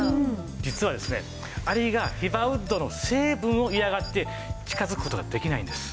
実はですねアリがヒバウッドの成分を嫌がって近づく事ができないんです。